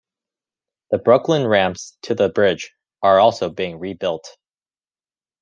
The Brooklyn ramps to the bridge are also being rebuilt.